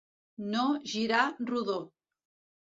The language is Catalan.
No girar rodó.